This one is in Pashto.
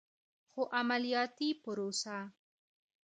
خو عملیاتي پروسه